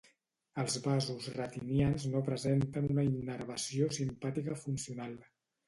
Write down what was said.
Els vasos retinians no presenten una innervació simpàtica funcional.